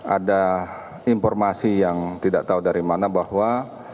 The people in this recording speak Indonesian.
ada informasi yang tidak tahu dari mana bahwa